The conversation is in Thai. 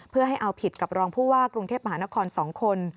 เพื่อให้เอาผิดกับรองผู้ว่ากรุงเทพมหานคร๒คน